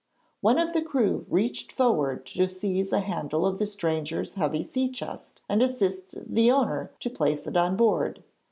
One of the crew reached forward to seize a handle of the stranger's heavy sea chest and assist the owner to place it on board.